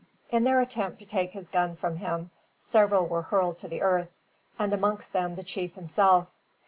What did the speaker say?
In their attempt to take his gun from him, several were hurled to the earth, and amongst them the chief himself.